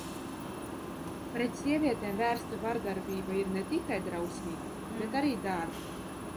Pret sievietēm vērsta vardarbība ir ne tikai drausmīga, bet arī dārga.